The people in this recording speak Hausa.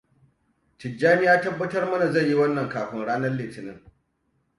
Tijjani ya tabbatar mana zai yi wannan kafin ranar Litinin.